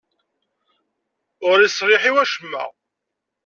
Ur iṣliḥ i wacemma.